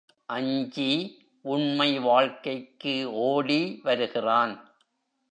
அஞ்சி, உண்மை வாழ்க்கைக்கு ஓடி வருகிறான்.